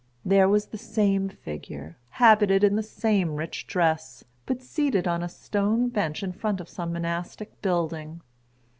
There was the same figure, habited in the same rich dress, but seated on a stone bench in front of some monastic building.